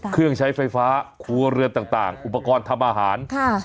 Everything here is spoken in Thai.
เครื่องใช้ไฟฟ้าครัวเรือนต่างอุปกรณ์ทำอาหาร